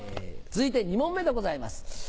続いて２問目でございます。